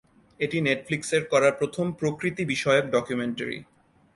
এটি নেটফ্লিক্সের করা প্রথম প্রকৃতি বিষয়ক ডকুমেন্টারি।